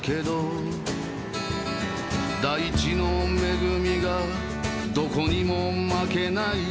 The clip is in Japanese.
「大地の恵みが何処にも負けない」